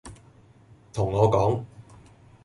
同我講